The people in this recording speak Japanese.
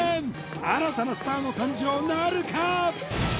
新たなスターの誕生なるか？